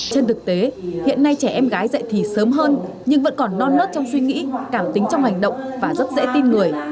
trên thực tế hiện nay trẻ em gái dạy thì sớm hơn nhưng vẫn còn non nớt trong suy nghĩ cảm tính trong hành động và rất dễ tin người